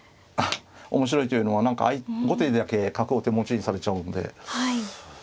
面白いというのは何か後手にだけ角を手持ちにされちゃうんで。